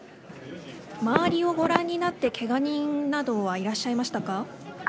周りをご覧になってけが人などはいらっしゃいましたか。